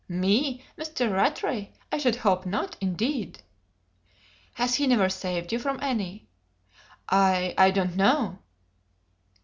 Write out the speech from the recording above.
"Me? Mr. Rattray? I should hope not, indeed!" "Has he never saved you from any?" "I I don't know."